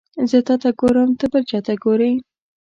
زه تاته ګورم ته بل چاته ګوري